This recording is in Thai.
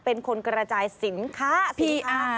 เป็นคนกระจายสินค้า